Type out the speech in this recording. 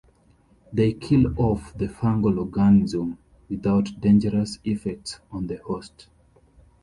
They kill off the fungal organism without dangerous effects on the host.